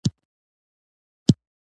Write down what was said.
پېغلتوب عمر د خانۍ دی